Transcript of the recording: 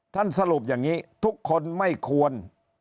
สรุปอย่างนี้ทุกคนไม่ควร